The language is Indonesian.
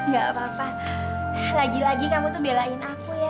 gak apa apa lagi lagi kamu tuh belain aku ya